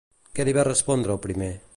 Què li va respondre el primer?